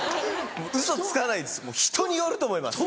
ウソつかないんです人によると思います！